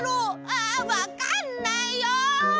ああわかんないよ！